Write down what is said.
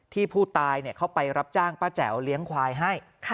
ที่ผู้ตายเข้าไปรับจ้างป้าแจ๋วเลี้ยงควายให้